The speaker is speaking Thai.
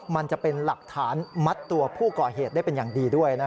มันจะเป็นหลักฐานมัดตัวผู้ก่อเหตุได้เป็นอย่างดีด้วย